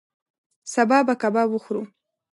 سبا به کباب وخورو